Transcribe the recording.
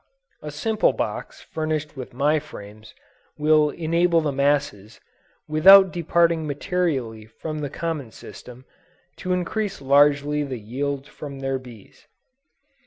A simple box furnished with my frames, will enable the masses, without departing materially from the common system, to increase largely the yield from their bees.